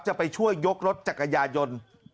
จะไปช่วยยกรถจักรยานยนต์